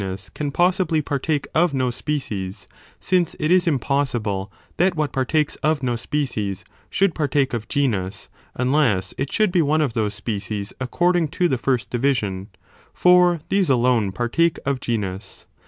If what is can possibly partake of no species, since it is im le oenes in possible that what partakes of no species, should subject to no species. partake of genus, unless it should be one of those species according to the first division, for these alone partake of genus.